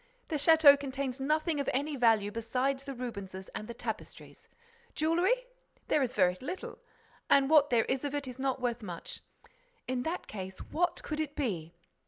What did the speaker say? The château contains nothing of any value besides the Rubenses and the tapestries. Jewelry? There is very little and what there is of it is not worth much. In that case, what could it be?